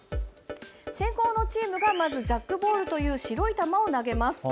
先攻のチームがまず、ジャックボールという白い球を投げます。